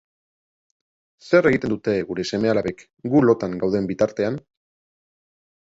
Zer egiten dute gure seme-alabek gu lotan gauden bitartean?